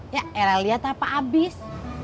ya era lihat apa abis